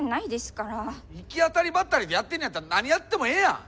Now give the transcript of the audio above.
行き当たりばったりでやってんねやったら何やってもええやん！